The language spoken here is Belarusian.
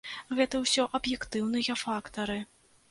Гэта ўсё аб'ектыўныя фактары.